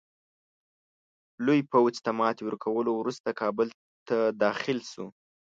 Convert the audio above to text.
لوی پوځ ته ماتي ورکولو وروسته کابل ته داخل شو.